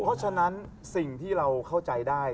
เพราะฉะนั้นสิ่งที่เราเข้าใจได้